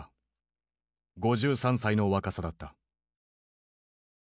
５３歳の若さだった。